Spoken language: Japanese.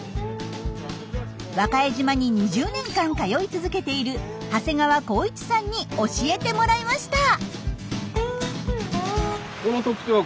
和賀江島に２０年間通い続けている長谷川孝一さんに教えてもらいました。